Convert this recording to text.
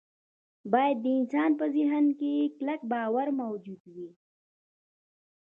باید د انسان په ذهن کې کلک باور موجود وي